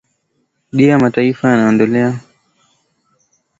dia mataifa yanayoendelea kuinua uchumi wake